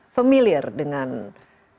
familiar dengan negaranya